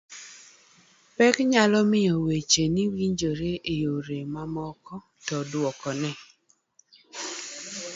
pek nyalo miyo weche ni winjre e yore mamoko to duokone